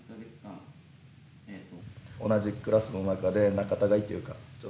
同じクラスの中で仲たがいというか。